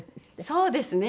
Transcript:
そうですね。